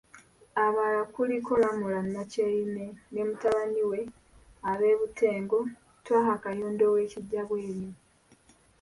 Abalala kuliko, Lamulah Nakyeyune ne mutabaniwe ab'e Butego, Twaha Kayondo ow'e Kijjabwemi.